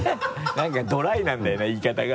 なんかドライなんだよな言い方が。